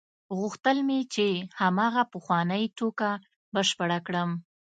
غوښتل مې چې هماغه پخوانۍ ټوکه بشپړه کړم.